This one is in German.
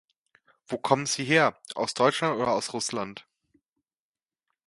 Wo kommen Sie her, aus Deutschland oder aus Russland?